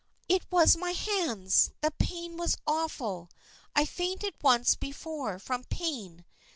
" It was my hands. The pain was awful. I fainted once before from pain.